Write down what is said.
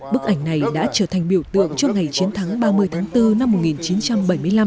bức ảnh này đã trở thành biểu tượng cho ngày chiến thắng ba mươi tháng bốn năm một nghìn chín trăm bảy mươi năm